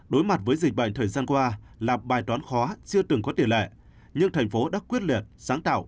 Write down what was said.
đối mặt với dịch bệnh thời gian qua là bài toán khó chưa từng có thể đảm bảo